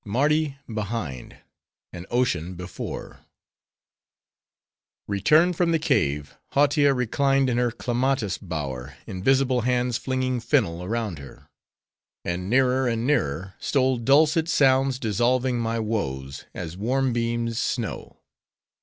Mardi Behind: An Ocean Before Returned from the cave, Hautia reclined in her clematis bower, invisible hands flinging fennel around her. And nearer, and nearer, stole dulcet sounds dissolving my woes, as warm beams, snow.